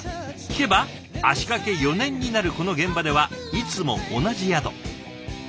聞けば足かけ４年になるこの現場ではいつも同じ宿。